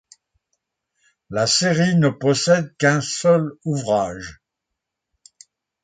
La série ne possède qu'un seul ouvrage.